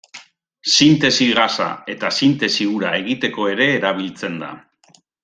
Sintesi gasa eta sintesi ura egiteko ere erabiltzen da.